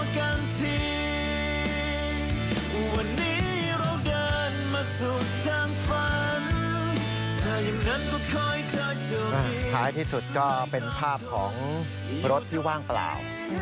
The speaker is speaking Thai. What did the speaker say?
ท้ายที่สุดก็เป็นภาพของรถที่ว่างเปล่า